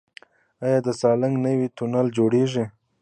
آیا د سالنګ نوی تونل جوړیږي؟